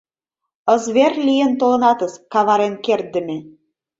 Ызвер лийын толынатыс каварен кертдыме!